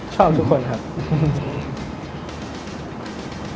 ชอบทุกคนครับ